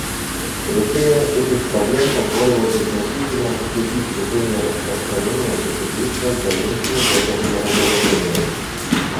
Решение этих проблем позволило бы значительно укрепить режим нераспространения и содействовать дальнейшему ядерному разоружению.